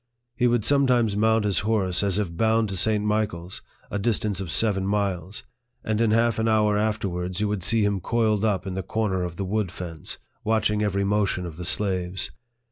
He would sometimes mount his horse, as if bound to St. Michael's, a distance of seven miles, and in half an hour afterwards you would see him coiled up in the corner of the wood fence, watch ing every motion of the slaves.